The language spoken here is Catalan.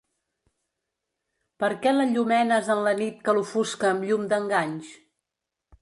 Per què l'allumenes en la nit que l'ofusca amb llum d'enganys?